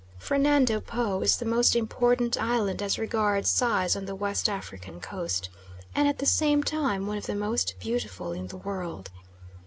Fernando Po is the most important island as regards size on the West African coast, and at the same time one of the most beautiful in the world.